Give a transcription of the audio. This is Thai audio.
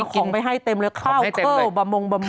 คนของไปให้เต็มเลยข้าวเคิ้วบำมุงบำมึง